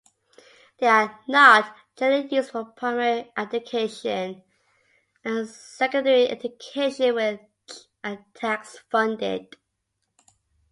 They are not generally used for primary education and secondary education which are tax-funded.